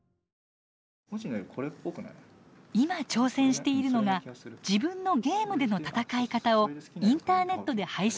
今挑戦しているのが自分のゲームでの戦い方をインターネットで配信すること。